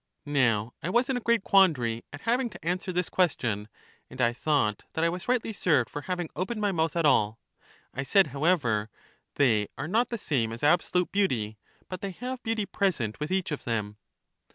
Now I was in a great quandary at having to answer this question, and I thought that I was rightly served for having opened my mouth at all: I said however, They are not the same as absolute beauty, but they have beauty present with each of them.